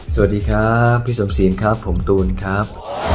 สวัสดีครับพี่สมศีลครับผมตูนครับ